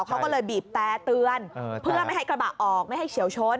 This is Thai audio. เขาก็เลยบีบแต่เตือนเพื่อไม่ให้กระบะออกไม่ให้เฉียวชน